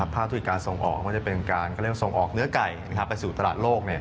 ภาพธุรกิจการส่งออกมันจะเป็นการส่งออกเนื้อไก่ไปสู่ตลาดโลก